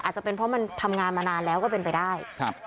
อาจจะเป็นเพราะมันทำงานมานานแล้วก็เป็นไปได้ครับ